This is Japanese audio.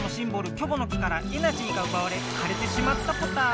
「キョボの木」からエナジーがうばわれかれてしまったポタ。